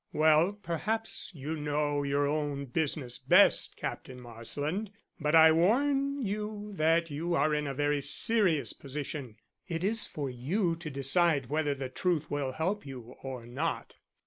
"Well, perhaps you know your own business best, Captain Marsland, but I warn you that you are in a very serious position. It is for you to decide whether the truth will help you or not."